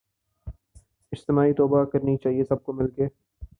اجتماعی توبہ کرنی چاہیے سب کو مل کے